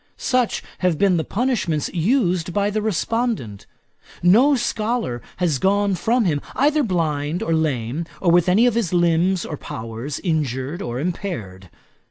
Such have been the punishments used by the respondent. No scholar has gone from him either blind or lame, or with any of his limbs or powers injured or impaired.